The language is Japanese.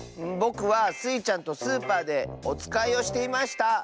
ぼくはスイちゃんとスーパーでおつかいをしていました。